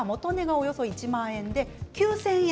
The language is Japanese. およそ１万円で９０００円。